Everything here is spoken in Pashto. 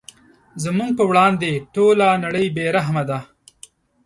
زموږ په وړاندې ټوله نړۍ بې رحمه ده.